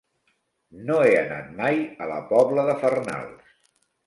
No he anat mai a la Pobla de Farnals.